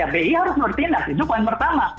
bi harus menurut saya itu poin pertama